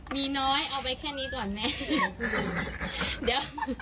มีน้อยเอาไปแค่นี้ก่อนไหม